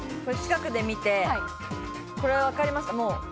近くで見て、これ分かりました。